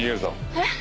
「えっ？」